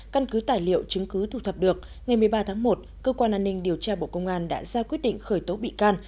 căn cứ tài liệu chứng cứ thu thập được ngày một mươi ba tháng một cơ quan an ninh điều tra bộ công an đã ra quyết định khởi tố bị can